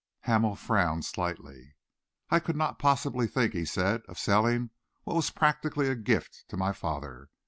Hamel frowned slightly. "I could not possibly think," he said, "of selling what was practically a gift to my father.